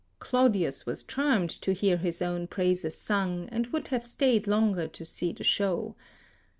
Claudius was charmed to hear his own praises sung, 13 and would have stayed longer to see the show.